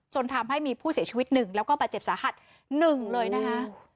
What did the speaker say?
จนทำให้มีผู้เสียชีวิตหนึ่งแล้วก็ประเจ็บสาหัสหนึ่งเลยนะคะ